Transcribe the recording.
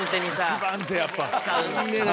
一番手やっぱ。